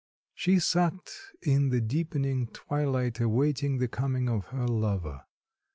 She sat in the deepening twilight awaiting the coming of her lover.